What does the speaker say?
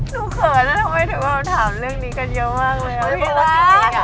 หนูเขินทำไมคุณคงถามเรื่องนี้กันเยอะมากเลย